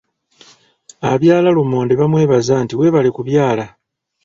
Abyala lumonde bamwebaza nti webale kubyala.